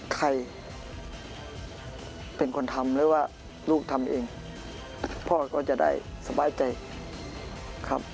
ใครเป็นคนทำหรือว่าลูกทำเองพ่อก็จะได้สบายใจครับ